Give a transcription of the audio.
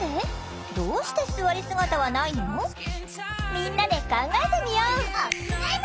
みんなで考えてみよう！